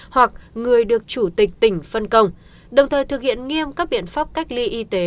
hoặc người được chủ tịch tỉnh phân công đồng thời thực hiện nghiêm các biện pháp cách ly y tế